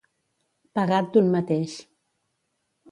Pagat d'un mateix.